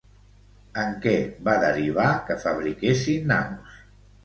En què va derivar que fabriquessin naus?